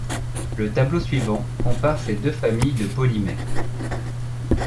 Le tableau suivant compare ces deux familles de polymères.